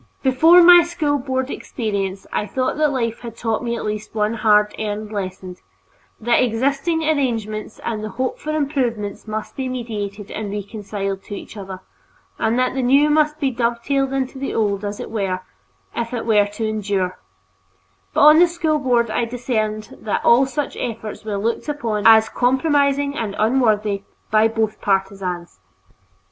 Before my School Board experience, I thought that life had taught me at least one hard earned lesson, that existing arrangements and the hoped for improvements must be mediated and reconciled to each other, that the new must be dovetailed into the old as it were, if it were to endure; but on the School Board I discerned that all such efforts were looked upon as compromising and unworthy, by both partisans.